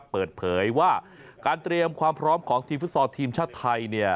เปิดเผยว่าการเตรียมความพร้อมของทีมฟุตซอลทีมชาติไทยเนี่ย